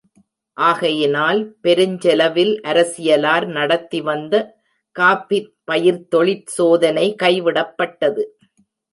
ஆகையினால் பெருஞ்செலவில் அரசியலார் நடத்திவந்த காஃபிப் பயிர்த்தொழிற் சோதனை கைவிடப்பட்டது.